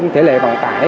thể lệ bằng tải